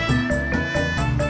ih ngapain sih